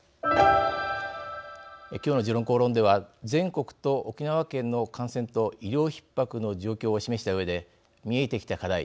今日の「時論公論」では全国と沖縄県の感染と医療ひっ迫の状況を示したうえで見えてきた課題